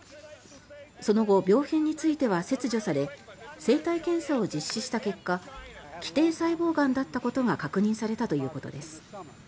その後、病変については切除され生体検査を実施した結果基底細胞がんだったことが確認されたということです。